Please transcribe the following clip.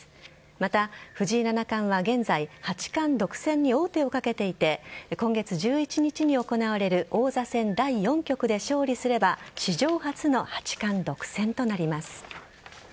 また、藤井七冠は現在八冠独占に王手をかけていて今月１１日に行われる王座戦第４局で勝利すれば史上初の八冠独占となります。